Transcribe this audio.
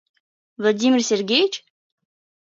Владимир Сергеич?